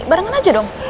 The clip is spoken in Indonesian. barengan aja dong